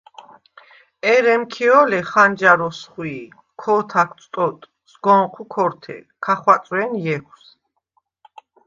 ერ ემქიო̄ლე, ხანჯარ ოსხვი̄ჲ, ქო̄თაქვც ტოტ, სგო̄ნჴუ ქორთე, ქა ხვაწვე̄ნ ჲეხვს.